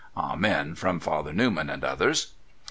["Amen! " from Father Newman and others.